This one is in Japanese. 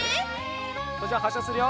それじゃあはっしゃするよ！